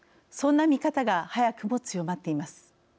そんな見方が早くも強まっています。